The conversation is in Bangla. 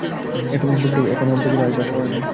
এখন অন্তঃপুরে আসবার সময় নয়।